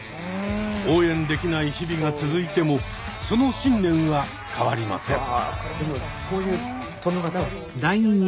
応援できない日々が続いてもその信念は変わりません。